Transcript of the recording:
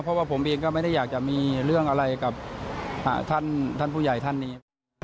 เพราะว่าผมเองก็ไม่ได้อยากจะมีเรื่องอะไรกับท่านผู้ใหญ่ท่านนี้